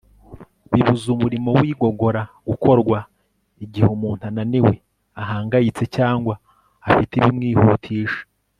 bibuza umurimo w'igogora gukorwa. igihe umuntu ananiwe, ahangayitse, cyangwa afite ibimwihutisha